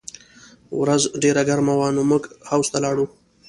ورځ ډېره ګرمه وه نو موږ حوض ته لاړو